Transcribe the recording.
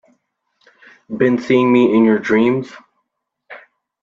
Been seeing me in your dreams?